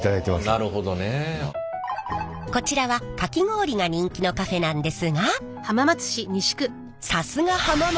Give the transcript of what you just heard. こちらはかき氷が人気のカフェなんですがさすが浜松！